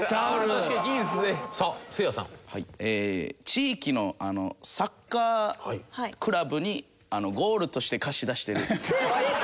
地域のサッカークラブにゴールとして貸し出してる。